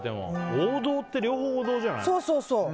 王道って両方王道じゃない？